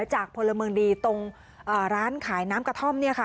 พลเมืองดีตรงร้านขายน้ำกระท่อม